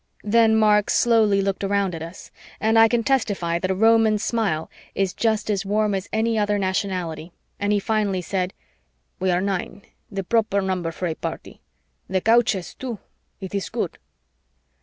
Then Mark slowly looked around at us, and I can testify that a Roman smile is just as warm as any other nationality, and he finally said, "We are nine, the proper number for a party. The couches, too. It is good."